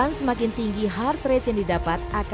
menurut aku mungkin harus di balance balance aja